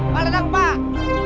pak ledang pak